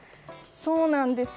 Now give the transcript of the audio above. そうなんです。